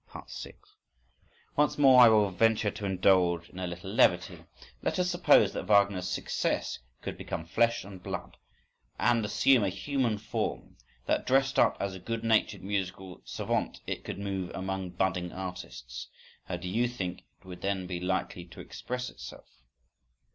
6. —Once more I will venture to indulge in a little levity. Let us suppose that Wagner's success could become flesh and blood and assume a human form; that, dressed up as a good natured musical savant, it could move among budding artists. How do you think it would then be likely to express itself?